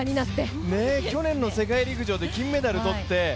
去年の世陸陸上で金メダルをとって。